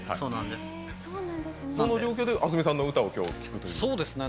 その状況でａｓｍｉさんの歌をきょう、聴くという。